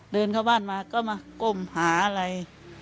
เดินเข้าบ้านมาก็มาก้มหาอะไร